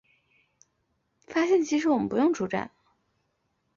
发现其实我们不用出站